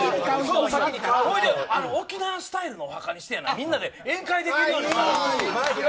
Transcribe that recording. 沖縄スタイルのお墓にしてみんなで宴会できるように。